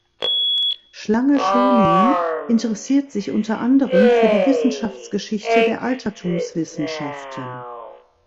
Schlange-Schöningen interessiert sich unter anderem für die Wissenschaftsgeschichte der Altertumswissenschaften.